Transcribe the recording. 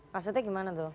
maksudnya gimana tuh